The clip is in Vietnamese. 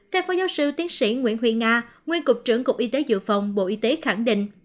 các phó giáo sư tiến sĩ nguyễn huy nga nguyên cục trưởng cục y tế dự phòng bộ y tế khẳng định